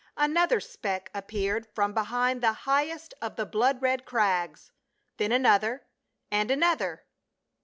Another speck appeared from behind the highest of the blood red crags, then another, and another.